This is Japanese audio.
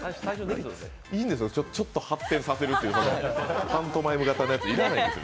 いいんですよ、ちょっと発展させるっていうパントマイム型のやつ、要らないですよ。